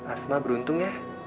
asma beruntung ya